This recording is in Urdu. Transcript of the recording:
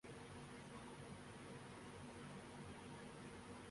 جون سے شرم الشیخ سے جدہ کے لیے براہ راست پروازیں چلائی جائیں گی